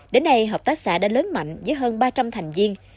đến nay hợp tác xã đã lớn mạnh với hơn ba trăm linh thành viên